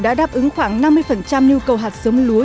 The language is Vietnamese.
đã đáp ứng khoảng năm mươi nhu cầu hạt sống lúa